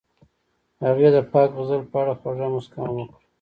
هغې د پاک غزل په اړه خوږه موسکا هم وکړه.